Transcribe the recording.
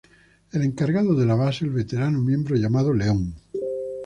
El encargado de la base el veterano miembro llamado Leon.